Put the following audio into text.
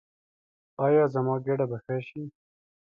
ایا زما ګیډه به ښه شي؟